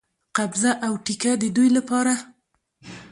قبضه او ټیکه د دوی لپاره.